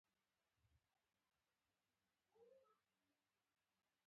مانډس صرف لیدنې کتنې درلودې.